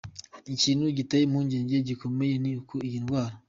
Ikintu giteye impungenge zikomeye ni uko iyi ndwara